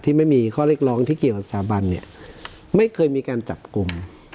ไม่มีข้อเรียกร้องที่เกี่ยวกับสถาบันเนี่ยไม่เคยมีการจับกลุ่ม